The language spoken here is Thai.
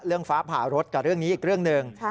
ฟ้าผ่ารถกับเรื่องนี้อีกเรื่องหนึ่ง